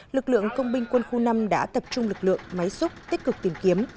lực lượng công binh quân khu năm đã tập trung lực lượng máy xúc tích cực tìm kiếm